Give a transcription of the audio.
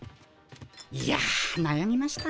いやなやみました。